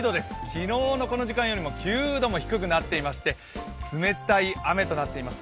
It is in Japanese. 昨日のこの時間よりも９度も低くなっていまして冷たい雨となっています。